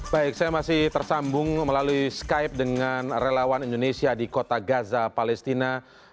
baik saya masih tersambung melalui skype dengan relawan indonesia di kota gaza palestina